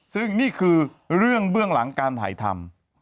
ซึ่งนี่คือเรื่องเบื้องหลังการถ่ายทำ